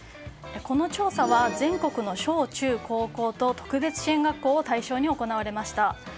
この調査は全国の小中高校と特別支援学校を対象に行われました。